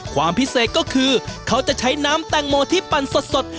ความพิเศษก็คือเขาจะใช้น้ำแตงโมที่ปั่นสด